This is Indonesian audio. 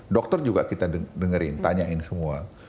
dokter juga kita dengerin tanyain semua